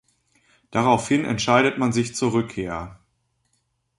Daraufhin entscheidet man sich zur Rückkehr.